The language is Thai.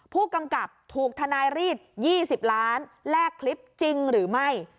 ผู้กำกับถูกทนายรีด๒๐ล้านแลกคลิปจริงหรือไม่